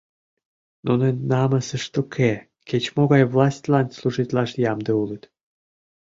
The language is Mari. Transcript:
Нунын намысышт уке, кеч-могай властьлан служитлаш ямде улыт.